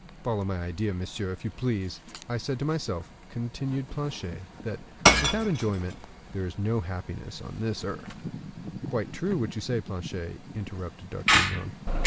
"Follow my idea, monsieur, if you please. I said to myself," continued Planchet, "that, without enjoyment, there is no happiness on this earth." "Quite true, what you say, Planchet," interrupted D'Artagnan.